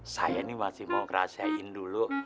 saya nih masih mau kerasain dulu